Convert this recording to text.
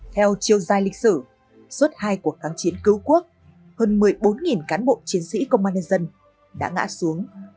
theo chiều dài lịch sử suốt hai cuộc kháng chiến cứu quốc hơn một mươi bốn cán bộ chiến sĩ công an nhân dân đã ngã xuống